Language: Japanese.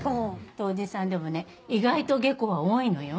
杜氏さんでもね意外と下戸は多いのよ。